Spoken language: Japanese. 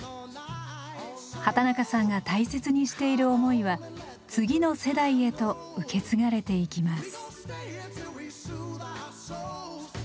畠中さんが大切にしている思いは次の世代へと受け継がれていきます。